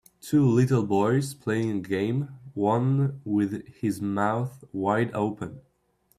Two little boys playing a game, one with his mouth wide open.